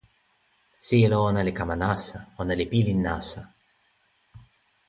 sijelo ona li kama nasa. ona li pilin nasa.